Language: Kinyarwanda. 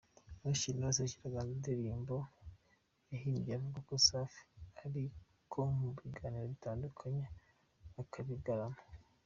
Knowless yashyiraga hanze indirimbo yahimbye avuga kuri Safi ariko mu biganiro bitandukanye akabigarama.